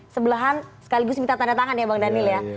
sebelahan sekaligus minta tanda tangan ya bang daniel ya